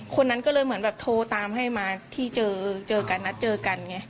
คนนั้นก็เลยโทรตามให้มาที่เจอกันนัดเจอกัน